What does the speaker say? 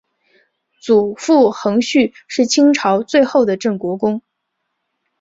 祖父恒煦是清朝最后的镇国公。